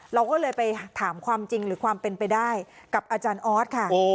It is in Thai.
เราก็เลยไปถามความจริงหรือความเป็นไปได้กับอาจารย์ออสค่ะ